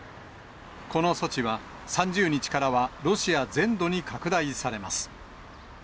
この措置は、３０日からはロシア全土に拡大されます。